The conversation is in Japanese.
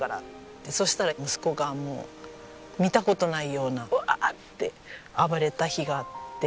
そしたら息子がもう見た事ないようなうわーって暴れた日があって。